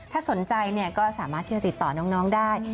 ถ้าสนใจก็สามารถที่จะติดต่อน้องได้